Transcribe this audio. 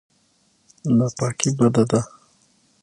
ناپاکي بده ده.